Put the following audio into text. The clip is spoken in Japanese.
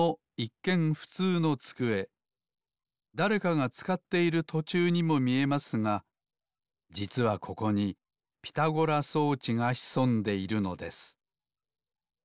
だれかがつかっているとちゅうにもみえますがじつはここにピタゴラ装置がひそんでいるのです